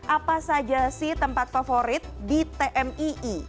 apa saja sih tempat favorit di tmii